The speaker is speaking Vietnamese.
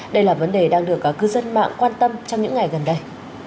đây là vấn đề đang được cư dân mạng quan tâm trong những ngày gần đây